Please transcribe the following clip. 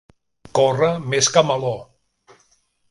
Corre més que Meló.